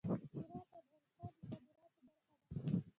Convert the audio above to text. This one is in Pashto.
هرات د افغانستان د صادراتو برخه ده.